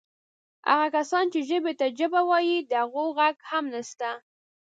هغه کسان چې ژبې ته جبه وایي د هغو ږغ هم نسته.